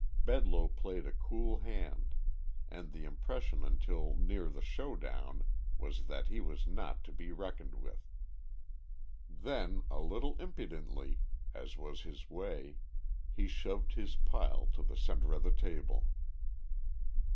Bedloe played a cool hand, and the impression until near the show down was that he was not to be reckoned with. Then, a little impudently, as was his way, he shoved his pile to the centre of the table.